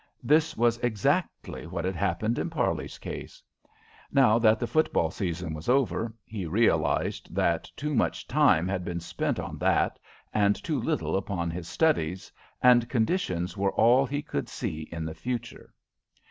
This was exactly what had happened in Parley's case. Now that the football season was over, he realized that too much time had been spent on that and too little upon his studies, and conditions were all he could see in the future.